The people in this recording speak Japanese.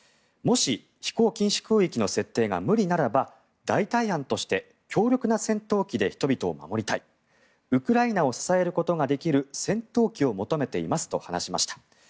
もし、飛行禁止空域の設定が無理ならば代替案として強力な戦闘機で人々を守りたいウクライナを支えることができる戦闘機を求めていますと話しました。